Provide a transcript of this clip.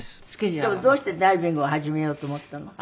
でもどうしてダイビングを始めようと思ったの？